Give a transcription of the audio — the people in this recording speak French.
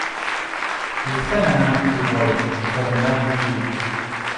Il est très malin, Gévrol, je l'avais mal jugé.